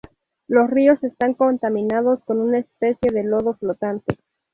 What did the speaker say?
Los ríos están contaminados con una especie de lodo flotante.